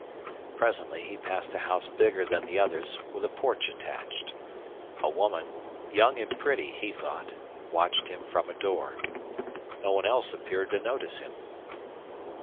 Presently he passed a house bigger than the others with a porch attached. A woman, young and pretty he thought, watched him from a door. No one else appeared to notice him.